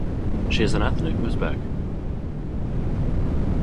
She is an ethnic Uzbek.